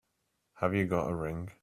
Have you got a ring?